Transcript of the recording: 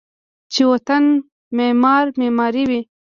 چې و طن معمار ، معمار وی